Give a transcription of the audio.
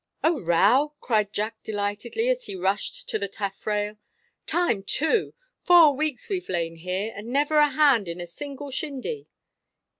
"A row!" cried Jack delightedly, as he rushed to the taffrail. "Time, too; four weeks we've lain here, and never a hand in a single shindy!"